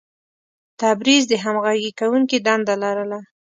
تبریز د همغږي کوونکي دنده لرله.